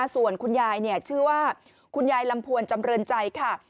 ส่วนคุณยายชื่อว่าคุณยายลำพวนจำเรินใจค่ะ